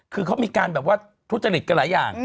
คือเขามีการแบบว่าทุจริตกันหลายอย่าง